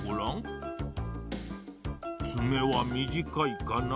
つめはみじかいかな？